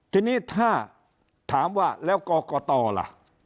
ทีนี้ถ้าถามว่าแล้วกรกตล่ะ